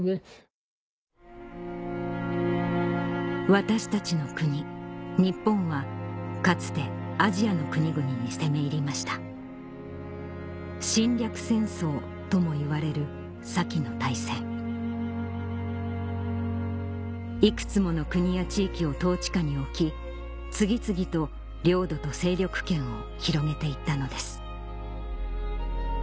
私たちの国日本はかつてアジアの国々に攻め入りました侵略戦争ともいわれる先の大戦幾つもの国や地域を統治下に置き次々と領土と勢力圏を広げて行ったのです